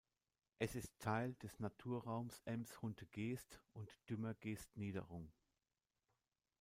Es ist Teil des Naturraums „Ems-Hunte-Geest und Dümmer-Geestniederung“.